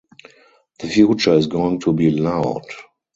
The future is going to be loud!